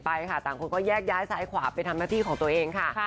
ไปค่ะต่างคนก็แยกย้ายซ้ายขวาไปทำหน้าที่ของตัวเองค่ะ